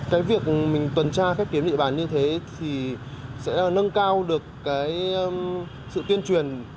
cái việc mình tuần tra khép kín địa bàn như thế thì sẽ nâng cao được cái sự tuyên truyền